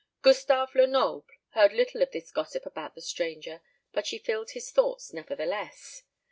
Gustave Lenoble heard little of this gossip about the stranger, but she filled his thoughts nevertheless.